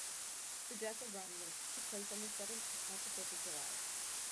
The death of Romulus took place on the seventh, not the fifth, of July.